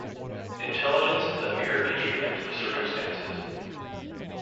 Intelligence is a mere instrument of circumstances.